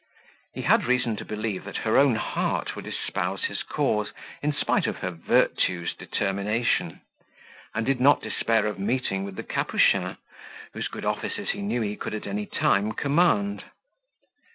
He had reason to believe that her own heart would espouse his cause in spite of her virtue's determination; and did not despair of meeting with the Capuchin, whose good offices he knew he could at any time command.